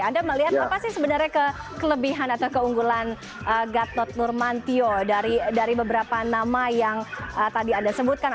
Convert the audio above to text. anda melihat apa sih sebenarnya kelebihan atau keunggulan gatot nurmantio dari beberapa nama yang tadi anda sebutkan